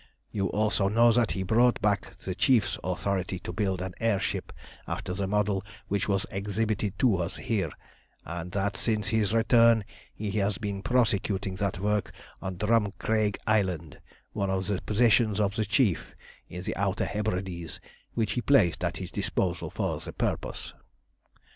You also know that he brought back the Chief's authority to build an air ship after the model which was exhibited to us here, and that since his return he has been prosecuting that work on Drumcraig Island, one of the possessions of the Chief in the Outer Hebrides, which he placed at his disposal for the purpose.